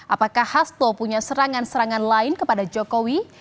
apakah hasto punya serangan serangan lain kepada jokowi